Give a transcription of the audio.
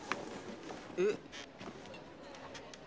えっ？